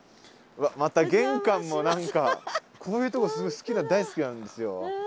また玄関も何かこういうとこすごい大好きなんですよ。